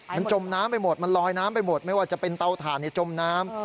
มันจมน้ำไปหมดมันลอยน้ำไปหมดไม่ว่าจะเป็นเตาถ่านจมน้ำ